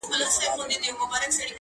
دا د باروتو د اورونو کیسې!!